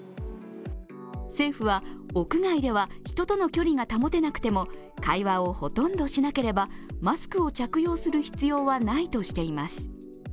政府は、屋外では人との距離が保てなくても、会話をほとんどしなければマスクを着用する必要はないとしています。